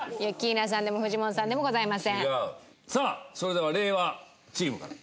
さあそれでは令和チームから。